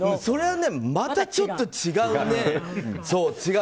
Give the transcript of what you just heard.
それはね、またちょっと違うね。